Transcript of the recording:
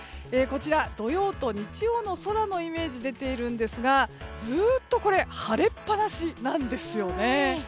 こちら土曜と日曜の空のイメージ出ているんですがずっと晴れっぱなしなんですね。